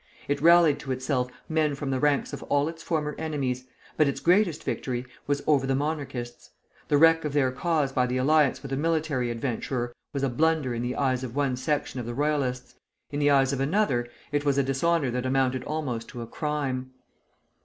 It rallied to itself men from the ranks of all its former enemies, but its greatest victory was over the Monarchists. The wreck of their cause by the alliance with a military adventurer was a blunder in the eyes of one section of the Royalists; in the eyes of another, it was a dishonor that amounted almost to a crime.